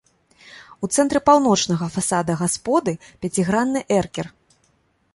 У цэнтры паўночнага фасада гасподы пяцігранны эркер.